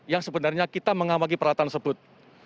yang sebenarnya kita mengawaki peralatan tersebut